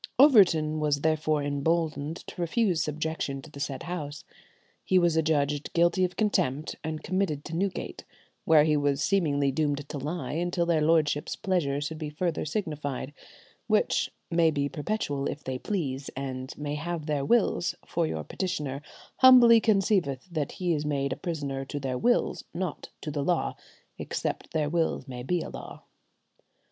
Overton was therefore emboldened to refuse subjection to the said House. He was adjudged guilty of contempt, and committed to Newgate, where he was seemingly doomed to lie until their lordships' pleasure should be further signified, which "may be perpetual if they please, and may have their wills, for your petitioner humbly conceiveth that he is made a prisoner to their wills, not to the law, except their wills may be a law."